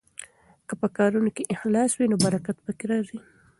که په کارونو کې اخلاص وي نو برکت پکې راځي.